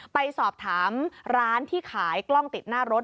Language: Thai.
ไปสอบถามร้านที่ขายกล้องติดหน้ารถ